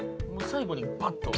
最後にバッと。